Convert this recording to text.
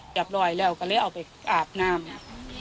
จับรอยแล้วก็เลยเอาไปอาบน้ำ